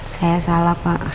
saya salah pak